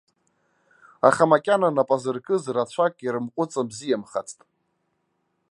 Аха макьана напы азыркыз рацәак ирымҟәыҵабзиамхацт.